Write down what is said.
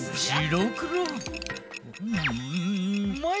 うんうまい。